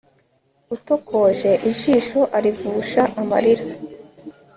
utokoje ijisho, arivusha amarira